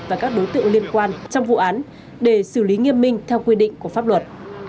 và các đối tượng liên quan trong vụ án để xử lý nghiêm minh theo quy định của pháp luật